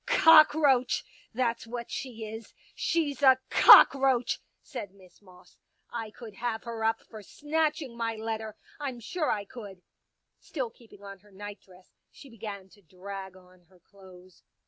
Cockroach ! That's what she is. She's a cockroach 1 " said Miss Moss. " I could have her up for snatching my letter — I'm sure I could." Still keeping on her nightdress she began to drag on her clothes.